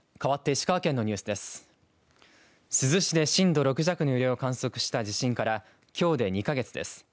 石川県珠洲市で震度６弱の揺れを観測した地震からきょうで２か月です。